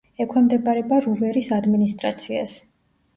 ექვემდებარება რუვერის ადმინისტრაციას.